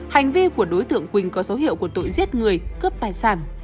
hành vi của đối tượng quỳnh có dấu hiệu của tội giết người cướp tài sản